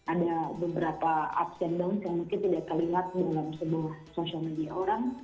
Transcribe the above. ada beberapa ups and down yang mungkin tidak terlihat dalam sebuah sosial media orang